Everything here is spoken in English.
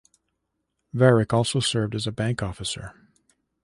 Varick also served as a bank officer.